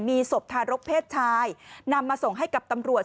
มีศพทารกเพศชายนำมาส่งให้กับตำรวจ